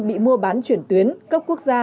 bị mua bán chuyển tuyến cấp quốc gia